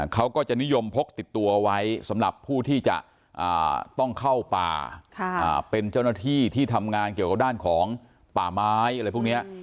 เขาก็จะนิยมพกติดตัวไว้สำหรับผู้ที่จะต้องเข้าป่าเป็นเจ้าหน้าที่ที่ทำงานเกี่ยวกับด้านของป่าไม้อะไรพวกนี้